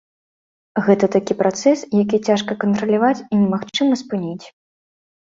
Гэта такі працэс, які цяжка кантраляваць, і немагчыма спыніць.